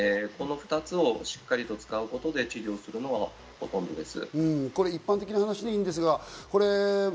この２つをしっかりと使う治療がほとんどです。